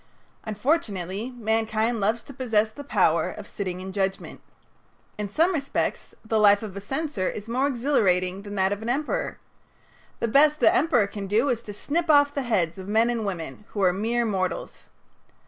Unfortunately mankind loves to possess the power of sitting in judgment. In some respects the life of a censor is more exhilarating than that of an emperor. The best the emperor can do is to snip off the heads of men and women, who are mere mortals.